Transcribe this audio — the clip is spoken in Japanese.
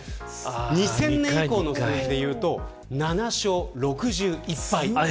２０００年以降でいうと７勝６１敗。